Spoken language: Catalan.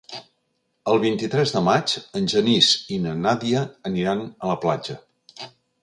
El vint-i-tres de maig en Genís i na Nàdia aniran a la platja.